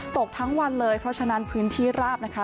ตกทั้งวันเลยเพราะฉะนั้นพื้นที่ราบนะคะ